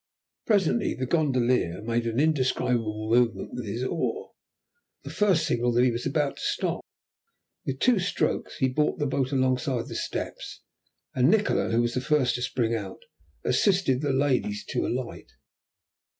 Presently the gondolier made an indescribable movement with his oar, the first signal that he was about to stop. With two strokes he brought the boat alongside the steps, and Nikola, who was the first to spring out, assisted the ladies to alight.